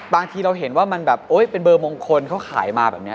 บางทีเราเห็นว่ามันแบบโอ๊ยเป็นเบอร์มงคลเขาขายมาแบบนี้